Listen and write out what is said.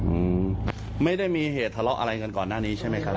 อืมไม่ได้มีเหตุทะเลาะอะไรกันก่อนหน้านี้ใช่ไหมครับ